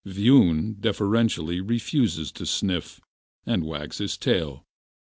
Viun deferentially refuses to sniff and wags his tail.